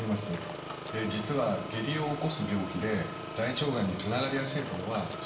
実は下痢を起こす病気で大腸がんにつながりやすいものは存在します。